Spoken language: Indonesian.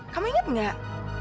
kamu inget gak